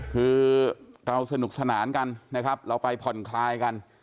คือเราสนุกสนานกันนะครับเราไปผ่อนคลายกัน